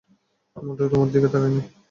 মোটেও তোমার দিকে তাকাইনি।